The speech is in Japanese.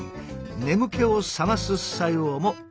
眠気を覚ます作用もある。